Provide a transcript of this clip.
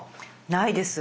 ないです。